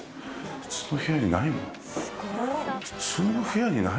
普通の部屋にない。